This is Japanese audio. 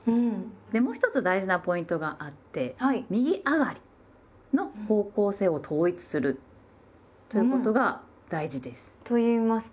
でもう一つ大事なポイントがあって右上がりの方向性を統一するということが大事です。と言いますと？